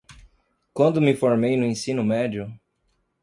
Quando me formei no ensino médio